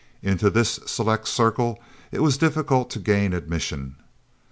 Into this select circle it was difficult to gain admission.